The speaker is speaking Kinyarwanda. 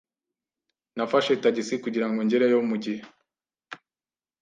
Nafashe tagisi kugirango ngereyo mugihe.